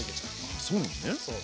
ああそうなのね。